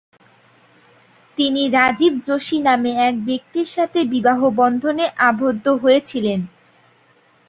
তিনি রাজীব জোশী নামে এক ব্যক্তির সাথে বিবাহ বন্ধনে আবদ্ধ হয়েছিলেন।